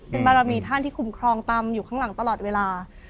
เป็นบารมีท่านที่คุ้มครองตำอยู่ข้างหลังตลอดเวลา